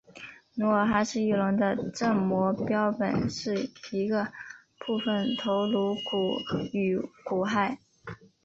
努尔哈赤翼龙的正模标本是一个部份头颅骨与骨骸。